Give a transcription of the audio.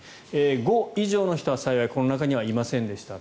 ５以上の人は幸いこの中にはいませんでした。